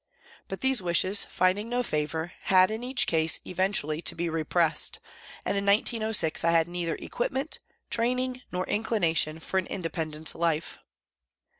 But these wishes, finding no favour, had in each case eventually to be repressed, and in 1906 I had neither equipment, training nor inclination for an indepen dent life.